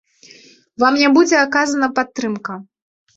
Вам не будзе аказана падтрымка.